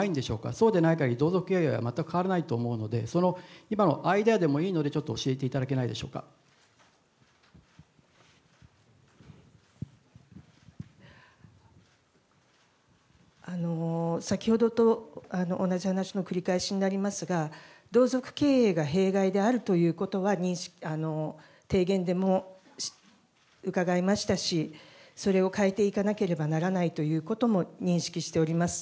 そうでないかぎり、同族経営は全く変わらないと思うので、そのアイデアでもいいので、ちょっと教先ほどと同じ話の繰り返しになりますが、同族経営が弊害であるということは提言でも伺いましたし、それを変えていかなければならないということも認識しております。